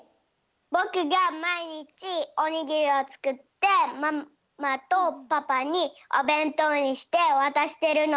ぼくがまいにちおにぎりをつくってママとパパにおべんとうにしてわたしてるの。